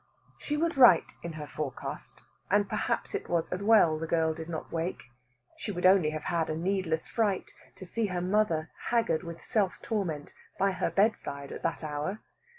She was right in her forecast, and perhaps it was as well the girl did not wake. She would only have had a needless fright, to see her mother, haggard with self torment, by her bedside at that hour.